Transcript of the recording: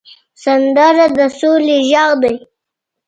سندره د سولې غږ دی